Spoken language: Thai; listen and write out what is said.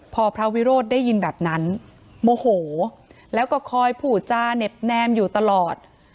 พอพระวิโรธได้ยินแบบนั้นโมโหแล้วก็คอยผูจาเน็บแนมอยู่ตลอด